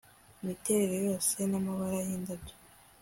Imiterere yose namabara yindabyo